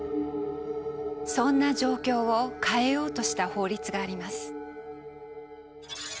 そんな状況を変えようとした法律があります。